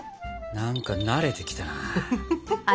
何か慣れてきたな。